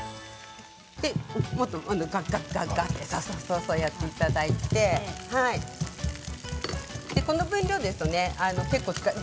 もっとがっがっがっとやっていただいてこの分量ですかね。